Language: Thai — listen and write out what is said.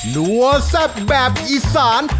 นัวแซ่บแบบอีสาน